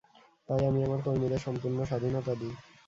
তাই আমি আমার কর্মীদের সম্পূর্ণ স্বাধীনতা দিই।